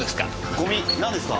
ゴミ？なんですか？